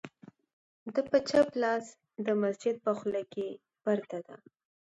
د په چپ لاس د مسجد په خوله کې پرته ده،